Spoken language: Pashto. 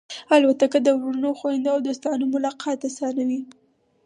الوتکه د وروڼو، خوېندو او دوستانو ملاقات آسانوي.